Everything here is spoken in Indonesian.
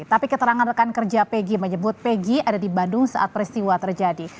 tapi keterangan rekan kerja peggy menyebut peggy ada di bandung saat peristiwa terjadi